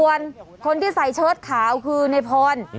ส่วนคนที่ใส่เชิดขาวคือในพร